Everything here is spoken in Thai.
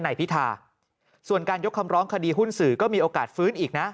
นายพิธาส่วนการยกคำร้องคดีหุ้นสื่อก็มีโอกาสฟื้นอีกนะ